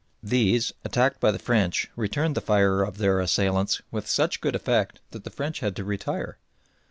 These, attacked by the French, returned the fire of their assailants with such good effect that the French had to retire.